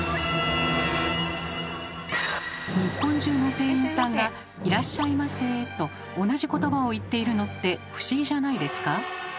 日本中の店員さんが「いらっしゃいませ」と同じ言葉を言っているのって不思議じゃないですか？